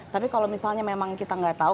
tapi kalau misalnya memang kita gak tau